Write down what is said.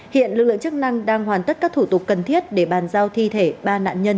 hiện lực lượng chức năng đang hoàn tất các thủ tục cần thiết để bàn giao thi thể ba nạn nhân cho gia đình